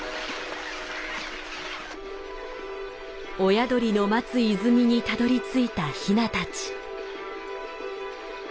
親鳥の待つ泉にたどりついたヒナたち。